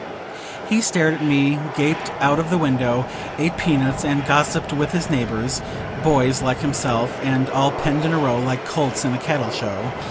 He stared at me, gaped out of the window, ate peanuts, and gossiped with his neighbors Boys, like himself, and all penned in a row, like colts at a Cattle Show.